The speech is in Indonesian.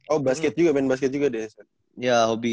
oh basket juga main basket juga deh hobi